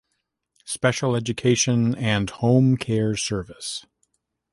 Special education and home care service.